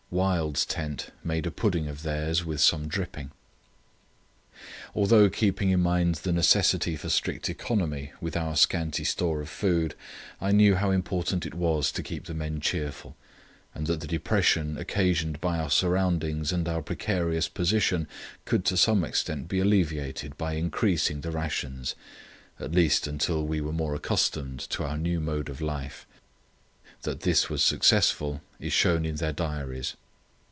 Wild's tent made a pudding of theirs with some dripping. Although keeping in mind the necessity for strict economy with our scanty store of food, I knew how important it was to keep the men cheerful, and that the depression occasioned by our surroundings and our precarious position could to some extent be alleviated by increasing the rations, at least until we were more accustomed to our new mode of life. That this was successful is shown in their diaries.